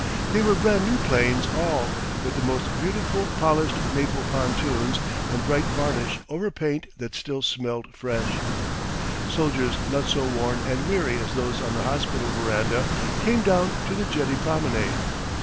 They were brand new planes all, with the most beautiful polished maple pontoons and bright varnish over paint that still smelled fresh. Soldiers not so worn and weary as those on the hospital veranda came down to the jetty promenade.